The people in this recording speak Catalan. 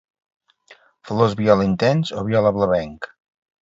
Flors viola intens o viola blavenc.